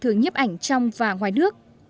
thường nhiếp ảnh trong và ngoài nước